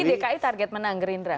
jadi dki target menang gerindra